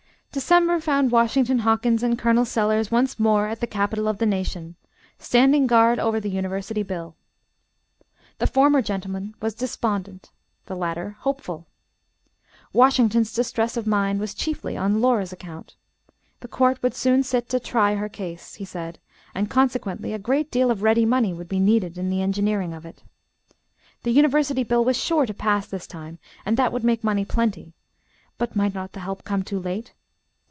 December 18 , found Washington Hawkins and Col. Sellers once more at the capitol of the nation, standing guard over the University bill. The former gentleman was despondent, the latter hopeful. Washington's distress of mind was chiefly on Laura's account. The court would soon sit to try her case, he said, and consequently a great deal of ready money would be needed in the engineering of it. The University bill was sure to pass this time, and that would make money plenty, but might not the help come too late?